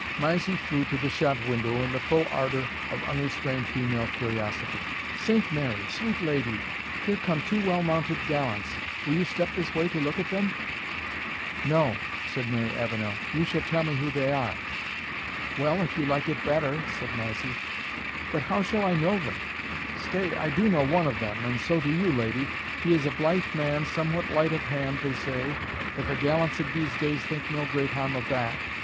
Mysie flew to the shot window in the full ardour of unrestrained female curiosity. "Saint Mary! sweet lady! here come two well mounted gallants; will you step this way to look at them ?" "No," said Mary Avenel, "you shall tell me who they are." "Well, if you like it better," said Mysie "but how shall I know them? Stay, I do know one of them, and so do you, lady; he is a blithe man, somewhat light of hand, they say, but the gallants of these days think no great harm of that.